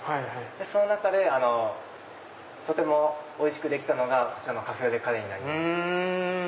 その中でとてもおいしくできたのがこちらのカフェオレカレーになります。